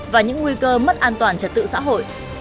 và những nguy cơ mất an toàn trật tự xã hội